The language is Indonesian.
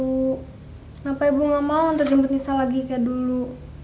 kenapa ibu gak mau untuk jemput nisa lagi kayak dulu